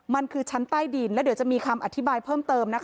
มันคือชั้นใต้ดินแล้วเดี๋ยวจะมีคำอธิบายเพิ่มเติมนะคะ